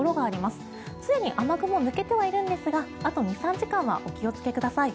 すでに雨雲抜けてはいるんですがあと２３時間はお気をつけください。